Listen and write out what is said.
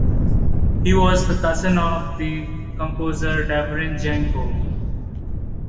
He was the cousin of the composer Davorin Jenko.